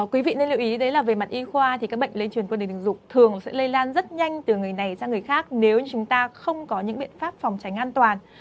quý vị nên lưu ý đấy là về mặt y khoa thì các bệnh lây truyền qua nền tình dục thường sẽ lây lan rất nhanh từ người này sang người khác nếu như chúng ta không có những biện pháp phòng tránh an toàn